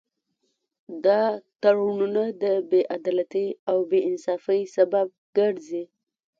دا تړونونه د بې عدالتۍ او بې انصافۍ سبب ګرځي